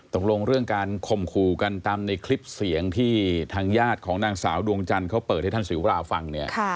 ตกลงเรื่องการข่มขู่กันตามในคลิปเสียงที่ทางญาติของนางสาวดวงจันทร์เขาเปิดให้ท่านศิวราฟังเนี่ย